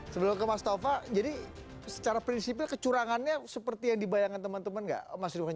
sebelum ke mas tova jadi secara prinsipil kecurangannya seperti yang dibayangkan teman teman nggak mas ridwan